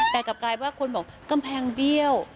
แต่กลับกลายว่าคนบอกกำแพงเบี้ยว